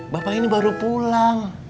bapak ini baru pulang